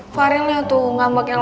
farelnya tuh ngambeknya lagi